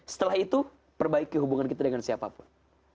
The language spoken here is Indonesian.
setelah itu perbaiki hubungan kita dengan siapapun